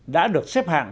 đã được xếp hạng